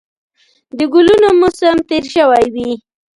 د ګلونو موسم تېر شوی وي